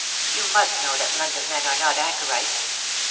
You must know that London men are not anchorites.